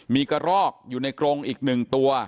มีกระรอกอยู่ในกรงอีก๑ตัว